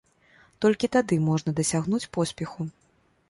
Толькі тады можна дасягнуць поспеху.